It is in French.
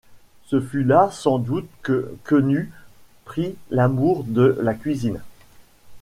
Ce fut là sans doute que Quenu prit l’amour de la cuisine.